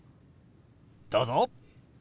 どうぞ。